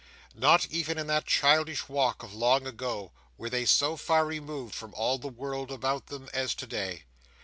Not even in that childish walk of long ago, were they so far removed from all the world about them as today.